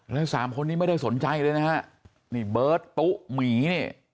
แล้วสามคนนี้ไม่ได้สนใจเลยนะฮะนี่เบิร์ตตุ๊หมีนี่